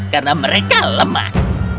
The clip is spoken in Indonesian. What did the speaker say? karena mereka lemah